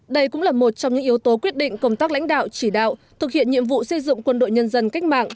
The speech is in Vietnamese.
đây cũng là một trong những yếu tố quyết định công tác lãnh đạo chỉ đạo thực hiện nhiệm vụ xây dựng quân đội nhân dân cách mạng